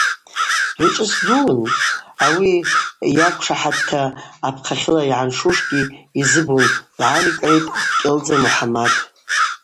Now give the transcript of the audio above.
Дгӏвычӏвгӏвыс дууын, ауи йаквшахӏатта апхъахьыла йгӏаншушгьи йзыбун, – йгӏаликӏгӏитӏ Кӏьылдза Мухӏамад.